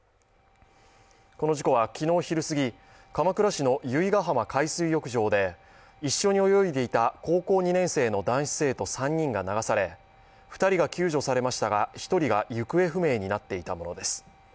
この事故は昨日昼すぎ、鎌倉市の由比ガ浜海水浴場で一緒に泳いでいた高校２年の男子生徒３人が流され２人が救助されましたが、１人が行方不明になっていたものです。